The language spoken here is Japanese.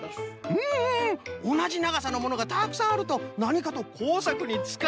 うんうんおなじながさのものがたくさんあるとなにかとこうさくにつかいやすい。